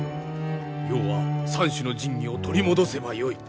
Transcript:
要は三種の神器を取り戻せばよい。